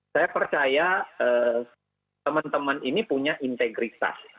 saya percaya teman teman ini punya integritas